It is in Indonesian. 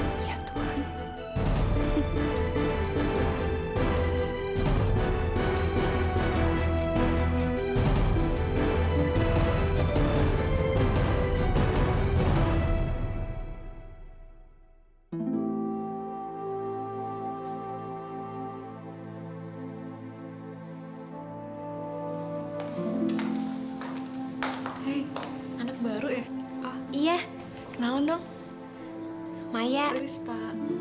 hai anak baru ya iya kenal dong hai maya rista